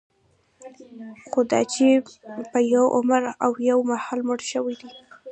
خوداچې په یوه عمر او یوه مهال مړه شوي دي.